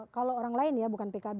kalau orang lain ya bukan pkb